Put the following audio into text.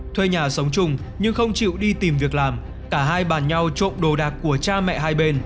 thuê nhà sống chung nhưng không chịu đi tìm việc làm cả hai bàn nhau trộm đồ đạc của cha mẹ hai bên